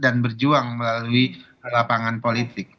dan berjuang melalui lapangan politik